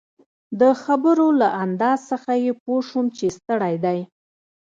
د خبرو له انداز څخه يې پوه شوم چي ستړی دی.